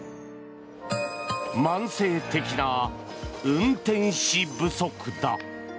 慢性的な運転士不足だ。